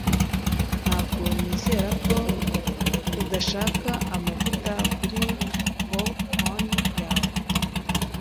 Ntabwo nizera ko udashaka amavuta kuri popcorn yawe.